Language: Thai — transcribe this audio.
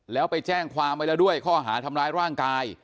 แล้วไปแจ้งความไว้แล้วด้วยข้อหาทำร้ายร่างกาย